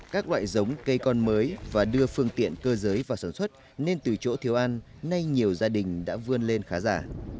các loại giống cây con mới và đưa phương tiện cơ giới vào sản xuất nên từ chỗ thiếu ăn nay nhiều gia đình đã vươn lên khá giả